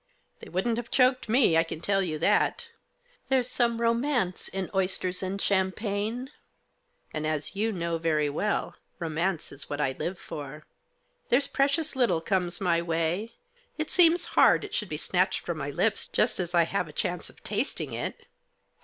" They wouldn't have choked me, I can tell you that. There is some romance in oysters and champagne, and, as you know very well, romance is what I live for. There's precious little comes my way ; it seems hard it should be snatched from my lips just as I have a chance of tasting it." Digitized by 10 THE JOSS.